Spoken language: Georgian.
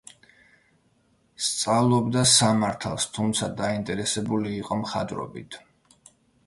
სწავლობდა სამართალს, თუმცა დაინტერესებული იყო მხატვრობით.